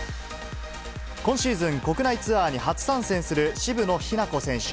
今シーズン、国内ツアーに初参戦する渋野日向子選手。